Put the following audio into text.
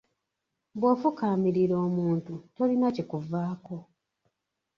Bw'ofukaamirira omuntu tolina kikuvaako.